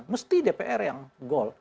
mesti dpr yang goal